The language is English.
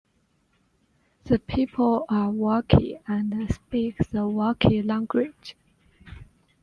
The people are Wakhi and speak the Wakhi Language.